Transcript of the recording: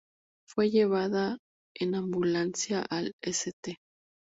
Fue llevada en ambulancia al St.